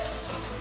何？